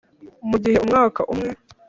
Mu gihe cy umwaka umwe